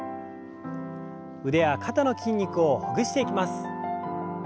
腕や肩の筋肉をほぐしていきます。